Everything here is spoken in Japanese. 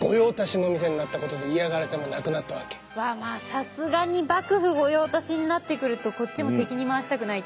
さすがに幕府御用達になってくるとこっちも敵に回したくないっていうのありますよね。